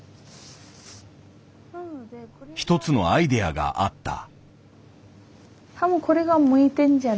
一つのアイデアがあった。